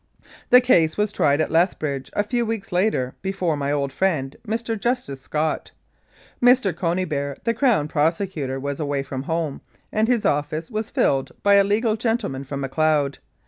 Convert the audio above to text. The case was tried at Lethbridge a few weeks later before my old friend, Mr. Justice Scott. Mr. Cony beare, the Crown Prosecutor, was away from home, and his office was filled by a legal gentleman from Macleod.